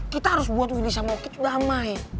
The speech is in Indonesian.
kita harus buat willy sama oki itu damai